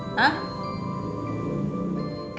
ibu sama bapak becengek